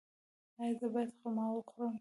ایا زه باید خرما وخورم؟